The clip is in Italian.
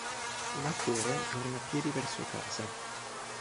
Un attore torna a piedi verso casa.